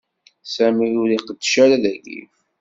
Sami ur iqeddec ara dagi.